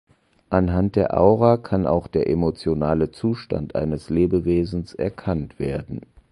Anhand der Aura kann auch der emotionale Zustand eines Lebewesens erkannt werden.